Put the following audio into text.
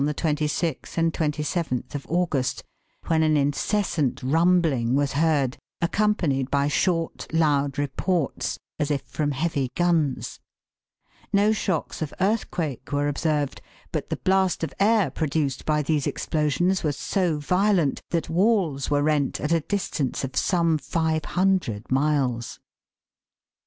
EARTHQUAKE \VAVES. 5 break of all occurred on the 26th and 27th of August, when an incessant rumbling was heard accompanied by short, loud reports, as if from heavy guns. No shocks of earth quake were observed, but the blast of air produced by these explosions was so violent that walls were rent at a distance of some 500 miles.